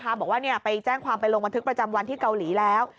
บอกว่าไปแจ้งความไปลงบันทึกประจำวันที่เกาหลีแล้ว